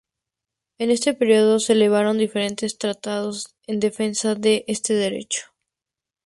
En este período, se elevaron diferentes tratados en defensa de este derecho.